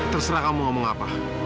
terserah kamu ngomong apa